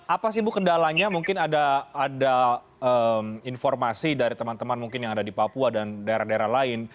apa sih bu kendalanya mungkin ada informasi dari teman teman mungkin yang ada di papua dan daerah daerah lain